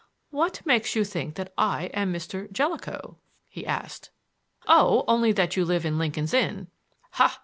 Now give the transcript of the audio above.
"What makes you think I am Mr. Jellicoe?" he asked. "Oh, only that you live in Lincoln's Inn." "Ha!